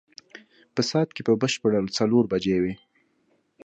په ساعت کې په بشپړ ډول څلور بجې وې.